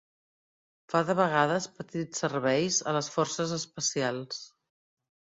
Fa de vegades petits serveis a les Forces Especials.